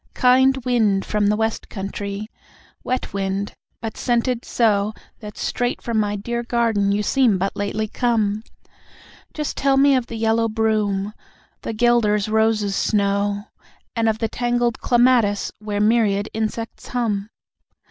Kind wind from the West Country, wet wind, but scented so, That straight from my dear garden you seem but lately come, Just tell me of the yellow broom, the guelder rose's snow, And of the tangled clematis where myriad insects hum.